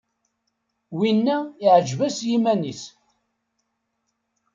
Winna iεǧeb-as yiman-is!